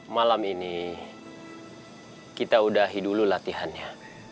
malam ini kita udahi dulu latihannya